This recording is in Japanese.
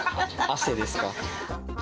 汗ですか。